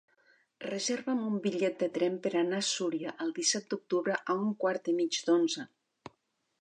Reserva'm un bitllet de tren per anar a Súria el disset d'octubre a un quart i mig d'onze.